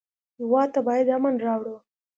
هېواد ته باید امن راوړو